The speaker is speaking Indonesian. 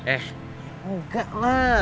eh engga lah